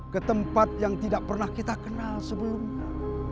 ketempat yang tidak pernah kita kenal sebelumnya